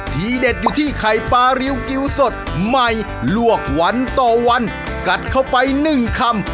ทีเด็ดอยู่ที่ไข่ปลาริวกิวสดใหม่ลวกวันต่อวันกัดเข้าไปหนึ่งคำ